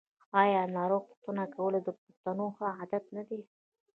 آیا ناروغ پوښتنه کول د پښتنو ښه عادت نه دی؟